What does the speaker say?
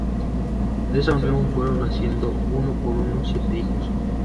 De esa unión fueron naciendo uno por uno siete hijos.